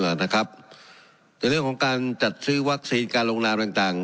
แล้วนะครับในเรื่องของการจัดซื้อวัคซีนการลงน้ำต่างต่าง